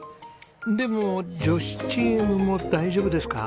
でも女子チームも大丈夫ですか？